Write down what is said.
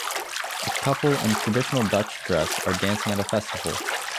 A couple in traditional Dutch dress are dancing at a festival